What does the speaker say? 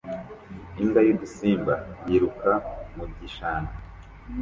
Imbwa y'udusimba yiruka mu gishanga